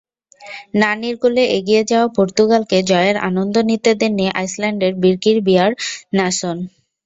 নানির গোলে এগিয়ে যাওয়া পর্তুগালকে জয়ের আনন্দ নিতে দেননি আইসল্যান্ডের বিরকির বিয়ারনাসন।